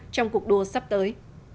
trong cuộc đua sắp tới